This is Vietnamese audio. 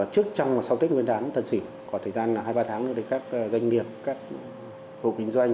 trước tết nguyên đán tân sỉu có thời gian hai ba tháng các doanh nghiệp các hộp kinh doanh